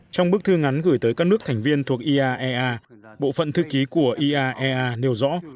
trong bức thư ngắn gửi tới các nước thành viên thuộc iaea bộ phận thư ký của iaea nêu rõ